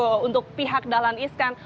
dan sementara untuk dari pihak dahlan iskan